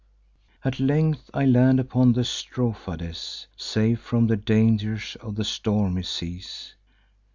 At length I land upon the Strophades, Safe from the danger of the stormy seas.